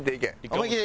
思いきり。